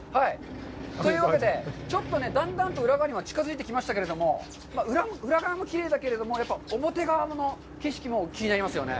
というわけで、ちょっとね、だんだんと裏側に近づいてきましたけれども、裏側もきれいだけれども、やっぱり表側の景色も気になりますよね。